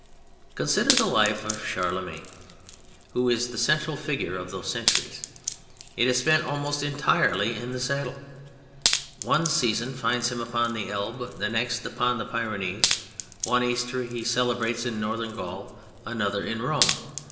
Consider the life of Charlemagne, who is the central figure of those centuries. It is spent almost entirely in the saddle. One season finds him upon the Elbe, the next upon the Pyrenees. One Easter he celebrates in Northern Gaul, another in Rome.